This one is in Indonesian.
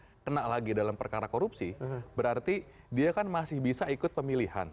kalau kena lagi dalam perkara korupsi berarti dia kan masih bisa ikut pemilihan